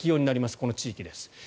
この地域です。